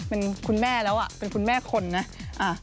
เป็นคุณแม่แล้วเป็นคุณแม่คนนะ